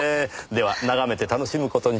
では眺めて楽しむ事にします。